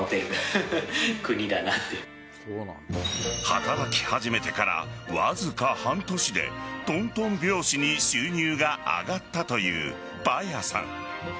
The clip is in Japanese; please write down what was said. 働き始めてから、わずか半年でとんとん拍子に収入が上がったというぱやさん。